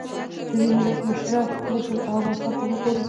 دې میراث مشرب او مذهب ته مه ګورئ